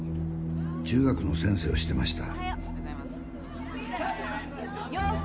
中学の先生をしてました。